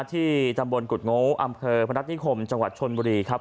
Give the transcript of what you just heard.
ที่ตำบลกุฎโง่อำเภอพนัฐนิคมจังหวัดชนบุรีครับ